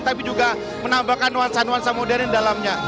tapi juga menambahkan nuansa nuansa modern dalamnya